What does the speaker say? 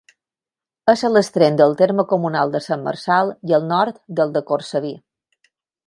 És a l'extrem del terme comunal de Sant Marçal i al nord del de Cortsaví.